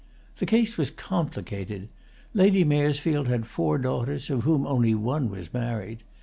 The case was complicated. Lady Maresfield had four daughters, of whom only one was married.